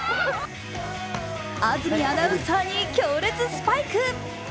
安住アナウンサーに強烈スパイク。